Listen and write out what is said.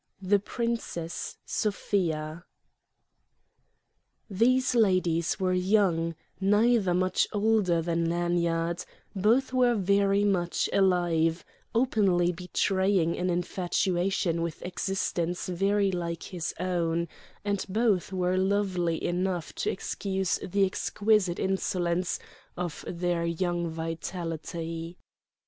II THE PRINCESS SOFIA These ladies were young, neither much older than Lanyard, both were very much alive, openly betraying an infatuation with existence very like his own, and both were lovely enough to excuse the exquisite insolence of their young vitality.